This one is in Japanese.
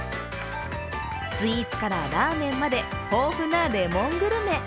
スイーツからラーメンまで、豊富なレモングルメ。